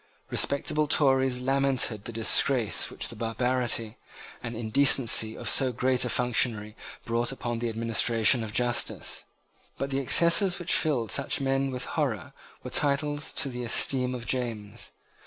Respectable Tories lamented the disgrace which the barbarity and indecency of so great a functionary brought upon the administration of justice. But the excesses which filled such men with horror were titles to the esteem of James.